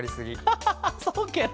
ハハハッそうケロ！